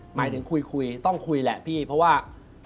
หมายถึงคุยคุยต้องคุยแหละพี่เพราะว่า